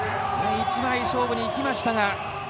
１枚勝負にいきましたが。